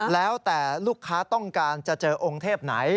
แล้วแต่ลูกค้าต้องการจะเจอองค์เทพไหน